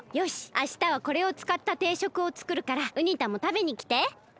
あしたはこれをつかったていしょくをつくるからウニ太もたべにきて。